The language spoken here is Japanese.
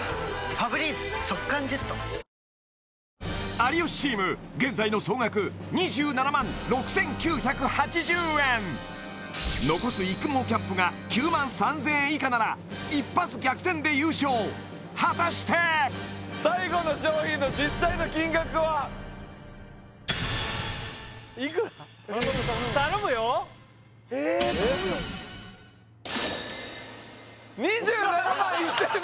有吉チーム残す育毛キャップが９万３０００円以下なら一発逆転で優勝果たして最後の商品の実際の金額は頼むよえっ頼むよ２７万１７００円